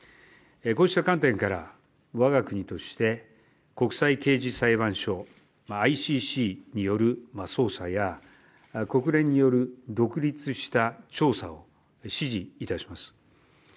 こうした観点から、わが国として、国際刑事裁判所・ＩＣＣによる捜査や、国連による独立した調査を支持いたします。